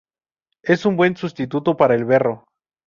Es un buen sustituto para el berro.